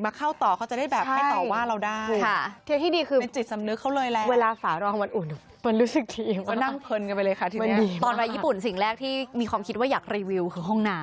มีความคิดว่าอยากรีวิวคือห้องน้ำ